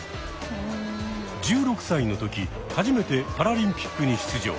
１６歳の時初めてパラリンピックに出場。